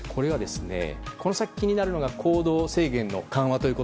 この先気になるのが行動制限の緩和です。